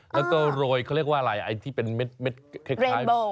แล้วก็โรยเขาเรียกว่าอะไรไอ้ที่เป็นเม็ดคล้าย